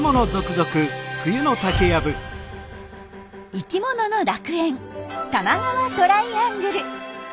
生きものの楽園多摩川トライアングル。